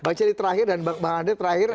bang celi terakhir dan bang andre terakhir